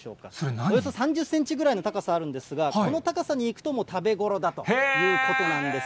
およそ３０センチぐらいの高さがあるんですが、その高さにいくと、もう食べ頃だということなんです。